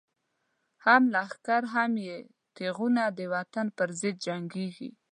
هم لښکر هم یی تیغونه، دوطن پر ضد جنګیږی